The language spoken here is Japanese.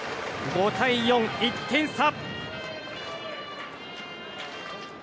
５対４、１点差。